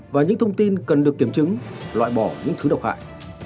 và những thông tin cần được kiểm chứng loại bỏ những thứ độc hại